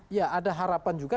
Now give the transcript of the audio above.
iya ada harapan juga